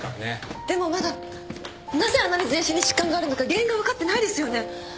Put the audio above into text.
でもまだなぜあんなに全身に疾患があるのか原因が分かってないですよね？